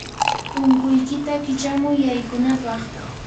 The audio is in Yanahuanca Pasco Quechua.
punkuykiyta kichamuy yaykunapaq.